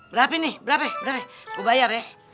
berapa nih berapa berapa gue bayar ya